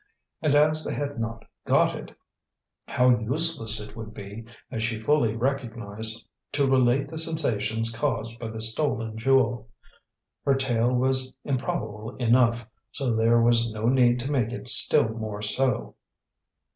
And as they had not got it, how useless it would be, as she fully recognized, to relate the sensations caused by the stolen jewel. Her tale was improbable enough, so there was no need to make it still more so.